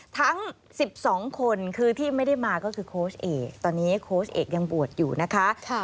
ทั้ง๑๒คนคือที่ไม่ได้มาก็คือโค้ชเอกตอนนี้โค้ชเอกยังบวชอยู่นะคะ